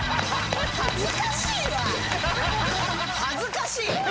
恥ずかしいわ。